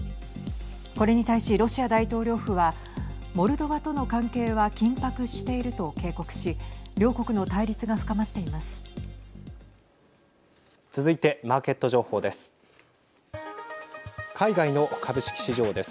これに対しロシア大統領府はモルドバとの関係は緊迫していると警告し両国の対立が深まっています。